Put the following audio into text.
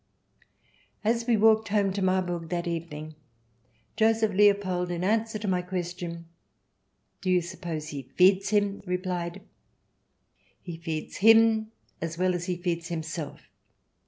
As we walked home to Marburg that evening, Joseph Leopold, in answer to my question, " Do you suppose he feeds him ?" replied :" He feeds him as well as he feeds himself.